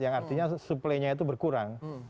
yang artinya suplainya itu berkurang